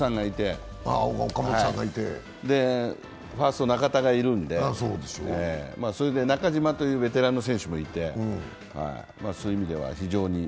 岡本さんがいて、ファースト中田がいるんで、中島というベテレンの選手もいてそういう意味では非常に。